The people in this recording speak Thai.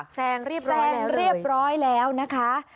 แซงเรียบร้อยแซงเรียบร้อยแล้วนะคะ